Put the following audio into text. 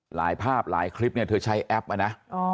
หลายภาพหลายคลิปเนี่ยเธอใช้แอปอ่ะนะ